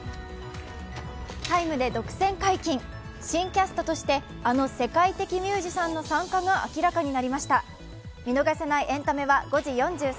「ＴＩＭＥ，」で独占解禁新キャストとしてあの世界的ミュージシャンの参加が明らかになりました。